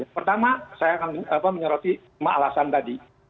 pertama saya akan menyoroti lima alasan tadi